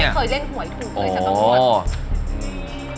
เพราะไม่เคยเล่นหวยกลุ่นจากตรงบน